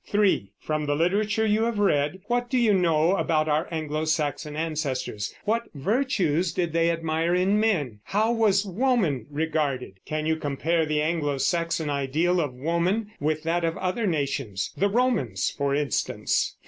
From the literature you have read, what do you know about our Anglo Saxon ancestors? What virtues did they admire in men? How was woman regarded? Can you compare the Anglo Saxon ideal of woman with that of other nations, the Romans for instance?